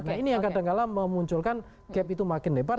nah ini yang kadangkala memunculkan gap itu makin lebar